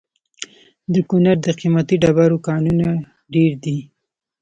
د کونړ د قیمتي ډبرو کانونه ډیر دي